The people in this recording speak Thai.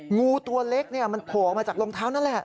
งูตัวเล็กมันโผล่ออกมาจากรองเท้านั่นแหละ